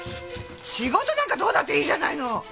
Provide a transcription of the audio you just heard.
仕事なんかどうだっていいじゃないの！